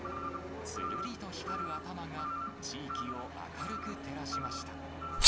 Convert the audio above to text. つるりと光る頭が地域を明るく照らしました。